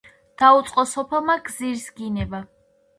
დაუწყო სოფელმა გზირს გინება